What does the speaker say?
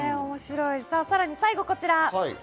さらに最後、こちら。